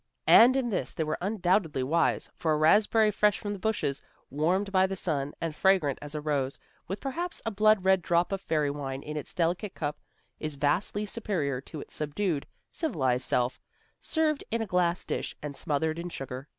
And in this they were undoubtedly wise, for a raspberry fresh from the bushes, warmed by the sun, and fragrant as a rose, with perhaps a blood red drop of fairy wine in its delicate cup, is vastly superior to its subdued, civilized self, served in a glass dish and smothered in sugar.